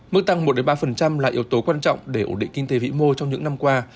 mức tăng một ba là yếu tố quan trọng để ổn định kinh tế vĩ mô trong những năm qua